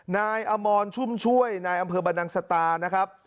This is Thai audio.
นายอมรชุ่มช่วยนายอำเภอบรรนังสตานะครับ